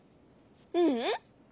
ううん。